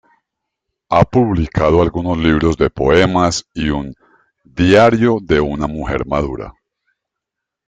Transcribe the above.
Ha publicado algunos libros de poemas y un "Diario de una mujer madura".